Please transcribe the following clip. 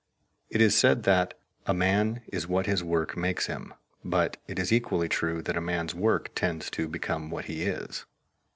It is said that "A man is what his work makes him," but it is equally true that a man's work tends to become what he is.